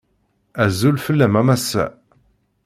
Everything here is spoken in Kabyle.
Azul fell-am a massa.